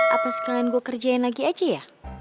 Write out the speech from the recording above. apa sekalian gue kerjain lagi aja ya